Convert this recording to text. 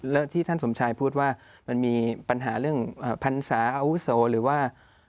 แล้วที่ท่านสมชายพูดว่ามันมีปัญหาเรื่องพรรษาอาวุโสหรือว่า